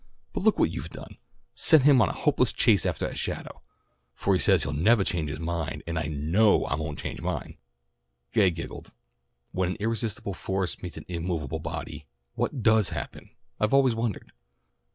But look what you've done. Sent him on a hopeless chase aftah a shadow, for he says he'll nevah change his mind, and I know I won't change mine." Gay giggled. "When an irresistible force meets an immovable body, what does happen? I've always wondered."